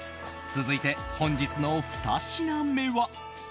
続いて、本日の２品目は。